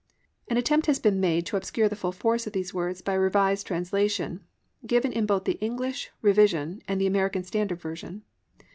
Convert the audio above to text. An attempt has been made to obscure the full force of these words by a revised translation given in both the English Revision and American Standard Version.